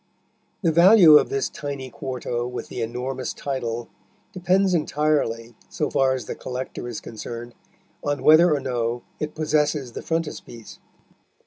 The value of this tiny quarto with the enormous title depends entirely, so far as the collector is concerned, on whether or no it possesses the frontispiece.